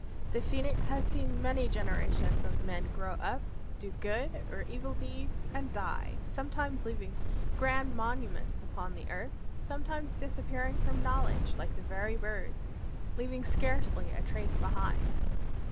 The Phoenix had seen many generations of men grow up, do good or evil deeds, and die, sometimes leaving grand monuments upon the earth, sometimes disappearing from knowledge like the very birds, leaving scarcely a trace behind.